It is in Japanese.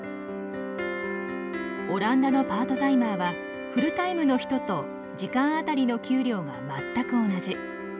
オランダのパートタイマーはフルタイムの人と時間あたりの給料が全く同じ。